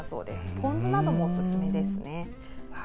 ポン酢などもおすすめです。